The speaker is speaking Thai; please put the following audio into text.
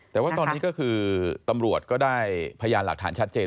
แต่ว่าตอนนี้ก็คือตำรวจก็ได้พยานหลักฐานชัดเจน